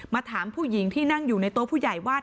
ถามผู้หญิงที่นั่งอยู่ในโต๊ะผู้ใหญ่ว่า